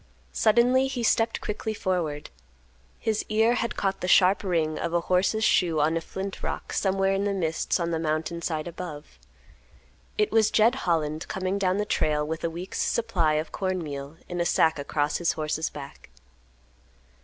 Suddenly he stepped quickly forward. His ear had caught the sharp ring of a horse's shoe on a flint rock somewhere in the mists on the mountain side above. It was Jed Holland coming down the trail with a week's supply of corn meal in a sack across his horse's back.